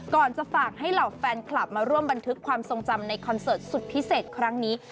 จะฝากให้เหล่าแฟนคลับมาร่วมบันทึกความทรงจำในคอนเสิร์ตสุดพิเศษครั้งนี้